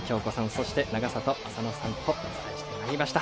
そして、永里亜紗乃さんとお伝えしてまいりました。